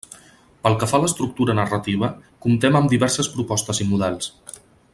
Pel que fa a l'estructura narrativa, comptem amb diverses propostes i models.